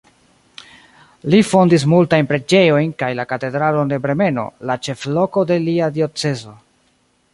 Li fondis multajn preĝejojn kaj la katedralon de Bremeno, la ĉefloko de lia diocezo.